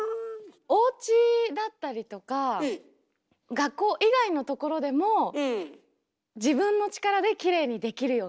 おうちだったりとか学校以外のところでも自分の力できれいにできるように？